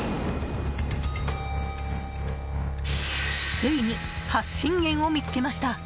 ついに発信源を見つけました。